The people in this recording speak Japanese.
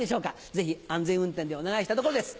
ぜひ安全運転でお願いしたいところです。